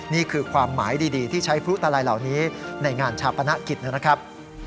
นี่คือความหมายดีที่ใช้พลุตลัยเหล่านี้ในงานชาปนกิจนะครับ